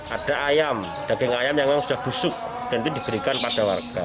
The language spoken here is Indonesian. ada ayam daging ayam yang memang sudah busuk dan itu diberikan pada warga